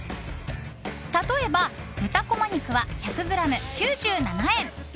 例えば豚こま肉は１００ｇ９７円！